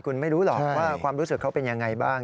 คุณไม่รู้หรอกว่าความรู้สึกเขาเป็นยังไงบ้าง